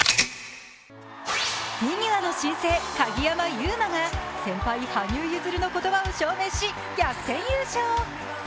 フィギュアの新星・鍵山優真が先輩・羽生結弦の言葉を証明し、逆転優勝。